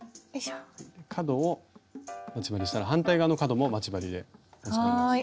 角を待ち針したら反対側の角も待ち針で打ちます。